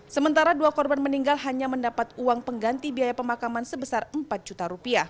sementara dua korban meninggal hanya mendapat uang pengganti biaya pemakaman sebesar rp empat juta rupiah